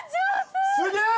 すげえ！